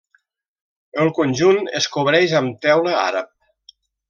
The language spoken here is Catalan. El conjunt es cobreix amb teula àrab.